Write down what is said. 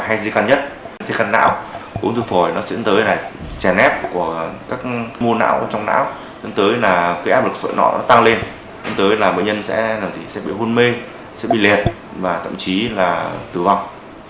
hay dây căn nhất dây căn não ống thư phổi nó dẫn tới là chèn ép của các mô não trong não dẫn tới là cái áp lực sợi nọ nó tăng lên dẫn tới là bệnh nhân sẽ bị hôn mê sẽ bị liệt và tậm chí là tử vong